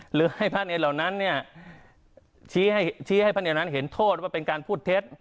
หรือให้ภาษณ์เหล่านั้นชี้ให้เห็นโทษว่าเป็นการพูดเท็จ